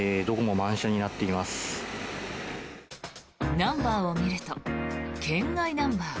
ナンバーを見ると県外ナンバー